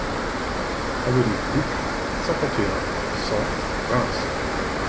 Avenue Cook, cinquante et un, cent Reims